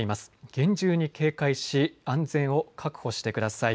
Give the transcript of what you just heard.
厳重に警戒し安全を確保してください。